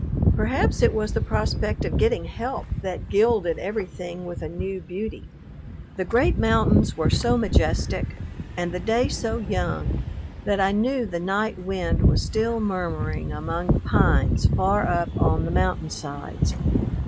Perhaps it was the prospect of getting help that gilded everything with a new beauty. The great mountains were so majestic, and the day so young that I knew the night wind was still murmuring among the pines far up on the mountain sides.